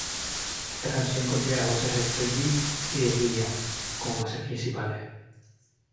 Esta canción contiene las voces de Fergie y de Will.i.am, como voces principales.